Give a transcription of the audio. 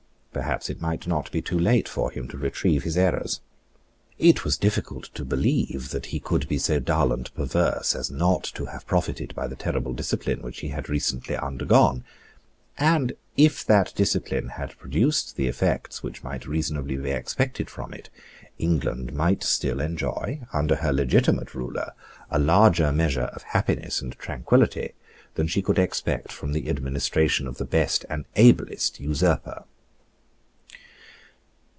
Perhaps it might not be too late for him to retrieve his errors. It was difficult to believe that he could be so dull and perverse as not to have profited by the terrible discipline which he had recently undergone; and, if that discipline had produced the effects which might reasonably be expected from it, England might still enjoy, under her legitimate ruler, a larger measure of happiness and tranquillity than she could expect from the administration of the best and ablest usurper.